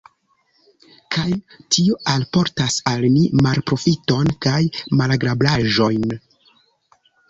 Kaj tio alportas al ni malprofiton kaj malagrablaĵojn.